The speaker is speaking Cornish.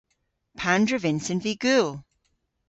Pandr'a vynsen vy gul?